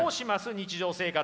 日常生活。